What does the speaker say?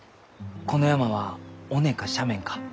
この山は尾根か斜面か。